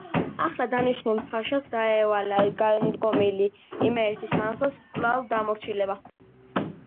ახლად დანიშნულ ფაშას დაევალა განდგომილი იმერეთის სამეფოს კვლავ დამორჩილება.